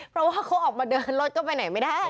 เพราะว่าเขาออกมาเดินรถก็ไปไหนไม่ได้